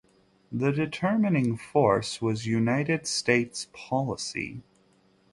The determining force was United States policy.